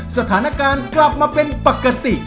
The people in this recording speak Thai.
สถานการณ์กลับมาเป็นปกติ